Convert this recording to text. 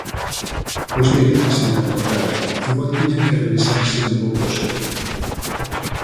Pois mire, señora Cordal, igual tiñan que revisarse un pouco o seu.